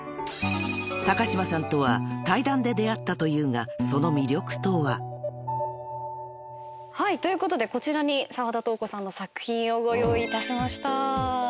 ［高島さんとは対談で出会ったというがその魅力とは？］ということでこちらに澤田瞳子さんの作品をご用意いたしました。